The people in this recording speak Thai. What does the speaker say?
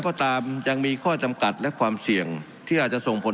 ก็ตามยังมีข้อจำกัดและความเสี่ยงที่อาจจะส่งผล